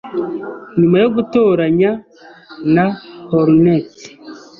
Nyuma yo gutoranya na Hornets,